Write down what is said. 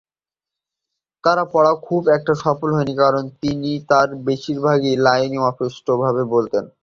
তার পড়া খুব একটা সফল হয়নি কারণ তিনি তার বেশিরভাগ লাইনই অস্পষ্টভাবে বলতেন।